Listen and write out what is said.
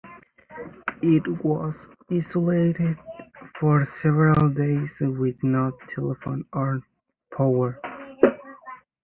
It was isolated for several days with no telephone or power.